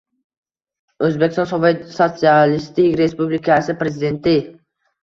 O'zbekiston Sovet Sotsialistik Respublikasi Prezidenti I